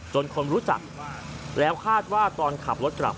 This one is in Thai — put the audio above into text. คนรู้จักแล้วคาดว่าตอนขับรถกลับ